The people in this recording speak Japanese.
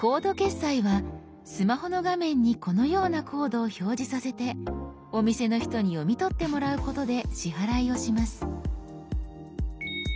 スマホの画面にこのようなコードを表示させてお店の人に読み取ってもらうことで支払いをします。